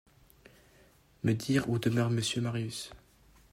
Me dire où demeure Monsieur Marius.